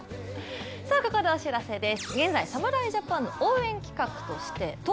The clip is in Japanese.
ここでお知らせです。